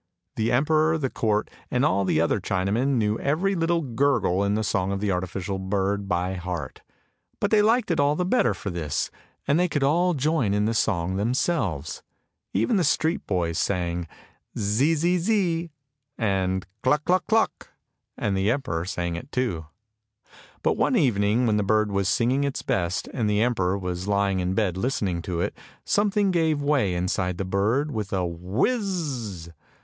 The emperor, the court, and all the other Chinamen knew every little gurgle in the song of the artificial bird by heart; but they liked it all the better for this, and they could all join in the song them selves. Even the street boys sang " zizizi " and " cluck, cluck, cluck," and the emperor sang it too. But one evening when the bird was singing its best, and the emperor was lying in bed listening to it, something gave way inside the bird with a " whizz."